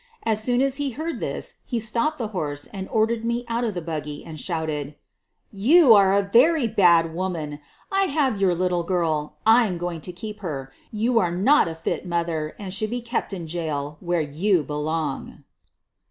As soon as lie heard this he stopped the horse and ordered me out of the buggy, and shouted : "You are a very bad woman. I have your little girl. I'm going to keep her. You are not a fit mother, and should be kept in jail, where you be long.